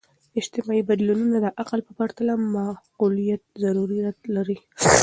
اجتماعي بدلونونه د عقل په پرتله د معقولیت ضرورت لري.